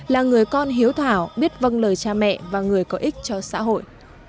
là người con hiếu thảo biết vâng lời cha mẹ và người có ích cho xã hội